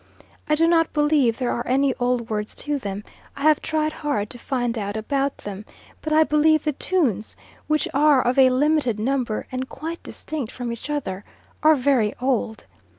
I do not believe there are any old words to them; I have tried hard to find out about them, but I believe the tunes, which are of a limited number and quite distinct from each other, are very old.